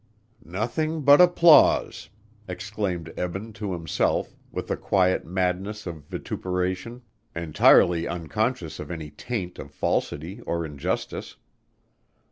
"Nothing but applause!" exclaimed Eben to himself, with a quiet madness of vituperation entirely unconscious of any taint of falsity or injustice.